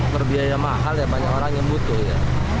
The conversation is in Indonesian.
berbiaya mahal ya banyak orang yang butuh ya